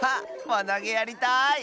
わなげやりたい！